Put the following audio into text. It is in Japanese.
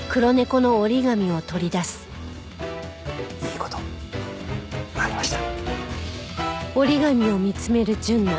いい事ありました。